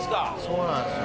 そうなんですよ。